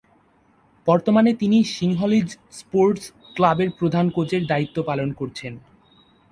বর্তমানে তিনি Sinhalese sports ক্লাবের প্রধান কোচের দায়িত্ব পালন করছেন।